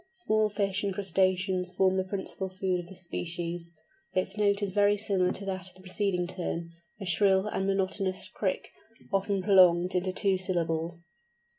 Small fish and crustaceans form the principal food of this species. Its note is very similar to that of the preceding Tern—a shrill and monotonous krick, often prolonged into two syllables.